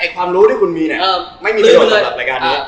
ความรู้ที่คุณมีเนี่ยไม่มีประโยชน์สำหรับรายการนี้